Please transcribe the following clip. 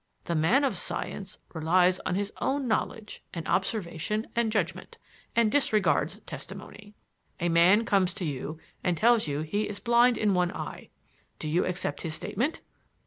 The man of science relies on his own knowledge and observation and judgment, and disregards testimony. A man comes to you and tells you he is blind in one eye. Do you accept his statement?